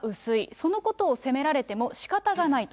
そのことを責められてもしかたがないと。